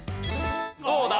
どうだ？